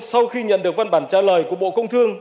sau khi nhận được văn bản trả lời của bộ công thương